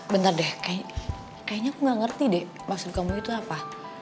bener deh kayaknya aku gak ngerti deh maksud kamu itu apa